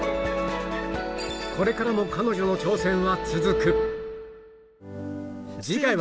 これからも彼女の挑戦は続く